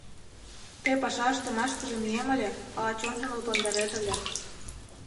Тый паша ыштымашкыже мием ыле, ала чонжым лыпландарет ыле.